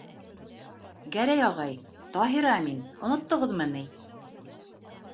Гәрәй ағай, Таһира мин, оноттоғоҙмо ни?